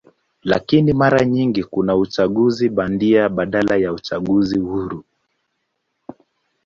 Lakini mara nyingi kuna uchaguzi bandia badala ya uchaguzi huru.